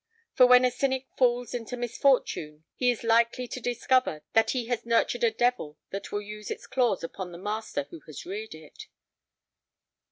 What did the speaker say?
For when a cynic falls into misfortune he is likely to discover that he has nurtured a devil that will use its claws upon the master who has reared it.